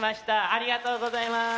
ありがとうございます。